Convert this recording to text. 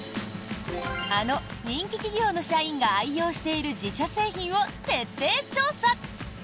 あの人気企業の社員が愛用している自社製品を徹底調査！